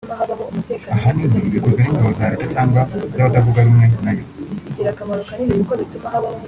ahanini bikozwe n’ingabo za Leta cyangwa iz’abatavuga rumwe na yo